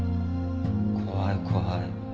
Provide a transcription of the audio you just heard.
怖い怖い。